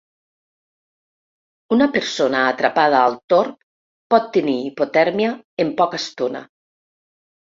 Una persona atrapada al torb pot tenir hipotèrmia en poca estona.